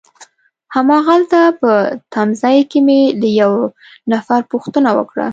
هماغلته په تمځای کي مې له یوه نفر پوښتنه وکړه.